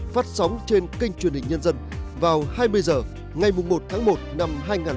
phát sóng trên kênh truyền hình nhân dân vào hai mươi h ngày một tháng một năm hai nghìn hai mươi